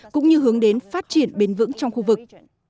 cũng như hướng đến phát triển bền vững trong khu vực